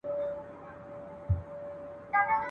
پرنګیانو د افغان غازیانو مقاومت مات نه کړ.